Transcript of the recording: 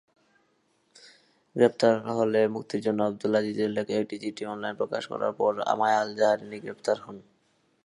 গ্রেপ্তার হলে মুক্তির জন্য আবদুল আজিজের লেখা একটি চিঠি অনলাইনে প্রকাশ করার পর মায়া আল-জাহরানি গ্রেফতার হন।